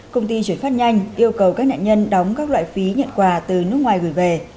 công ty chuyển phát nhanh yêu cầu các nạn nhân đóng các loại phí nhận quà từ nước ngoài gửi về